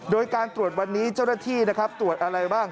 โดยการตรวจวันนี้เจ้าหน้าที่นะครับตรวจอะไรบ้าง